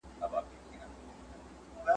ته وا نه يې له ابليس څخه زوولى `